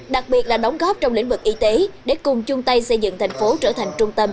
đặc biệt là đóng góp trong lĩnh vực y tế để cùng chung tay xây dựng thành phố trở thành trung tâm